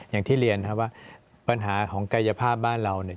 อย่างที่เรียนครับว่าปัญหาของกายภาพบ้านเราเนี่ย